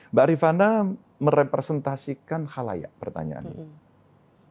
mbak rifana merepresentasikan halayak pertanyaan ini